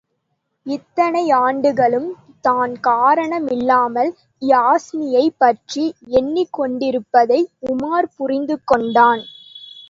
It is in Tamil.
இத்தனையாண்டுகளும் தான் காரண மில்லாமல் யாஸ்மியைப் பற்றி எண்ணிக்கொண்டிருப்பதை உமார் புரிந்து கொண்டான்.